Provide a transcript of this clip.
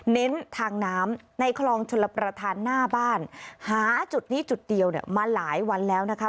เน้นทางน้ำในคลองชลประธานหน้าบ้านหาจุดนี้จุดเดียวเนี่ยมาหลายวันแล้วนะคะ